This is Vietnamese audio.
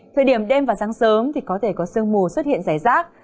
thời điểm đêm và sáng sớm thì có thể có sương mù xuất hiện rải rác